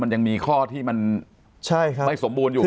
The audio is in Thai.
มันยังมีข้อที่มันไม่สมบูรณ์อยู่